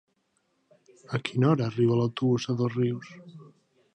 A quina hora arriba l'autobús de Dosrius?